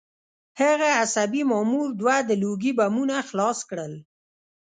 هغه عصبي مامور دوه د لوګي بمونه خلاص کړل